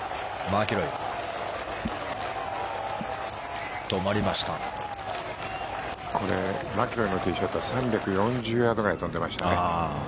マキロイのティーショットは３４０ヤードぐらい飛んでましたね。